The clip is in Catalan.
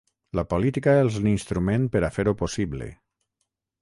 La política és l’instrument per a fer-ho possible.